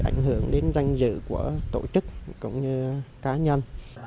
ảnh hưởng đến danh dự của tổ chức cũng như cá nhân